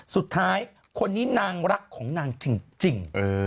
สุดท้ายคนนี้นางรักของนางจริง